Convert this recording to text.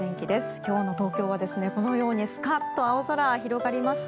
今日の東京はこのようにスカッと青空が広がりました。